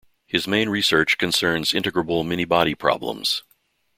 His main research concerns integrable many-body problems.